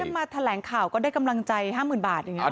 ถ้ามาแถลงข่าวก็ได้กำลังใจ๕หมื่นบาทอย่างนี้หรือครับ